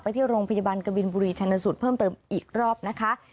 ที่โรงพยาบาลกบินบุรีชนสูตรเพิ่มเติมอีกรอบนะคะ